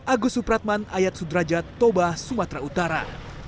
agus supratman ayat sudrajat toba sumatera utara